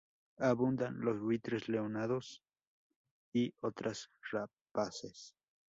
Abundan los buitres leonados y otras rapaces.